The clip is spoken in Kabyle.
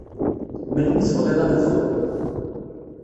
Melmi i tebɣiḍ ad nebdu?